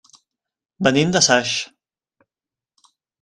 Venim de Saix.